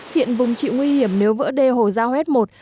hiện vùng trị nguy hiểm nếu vỡ đê hồ giao hét một